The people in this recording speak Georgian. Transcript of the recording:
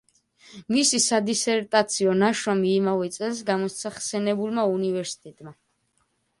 მისი სადისერტაციო ნაშრომი იმავე წელს გამოსცა ხსენებულმა უნივერსიტეტმა.